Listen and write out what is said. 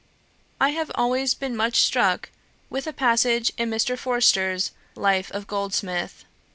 I have always been much struck with a passage in Mr. Forster's Life of Goldsmith.